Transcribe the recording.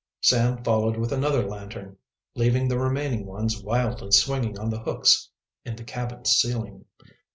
Sam followed with another lantern, leaving the remaining ones wildly swinging on the hooks in the cabin's ceiling.